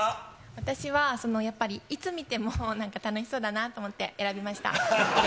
私は、やっぱり、いつ見ても楽しそうだなと思って選びました。